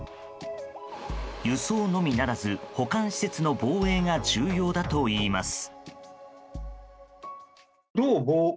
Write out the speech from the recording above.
輸送のみならず、保管施設の防衛が重要だといいます。